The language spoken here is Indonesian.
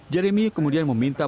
jeremy kemudian meminta